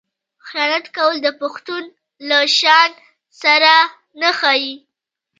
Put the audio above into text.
خیانت کول د پښتون له شان سره نه ښايي.